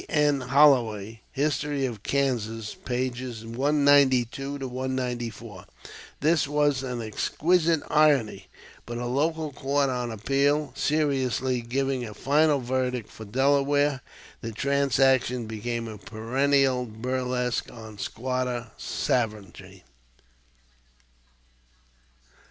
N. Holloway, "History of Kansas," pp. 192 4.) This was exquisite irony; but a local court on appeal seriously giving a final verdict for Delaware, the transaction became a perennial burlesque on "Squatter Sovereignty."